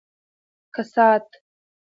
کسات